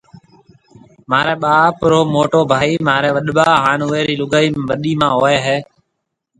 مهاريَ ٻاپ رو موٽو ڀائِي مهاريَ وڏٻا هانَ اُئي رِي لُگائِي وڏِي امان هوئيَ هيَ۔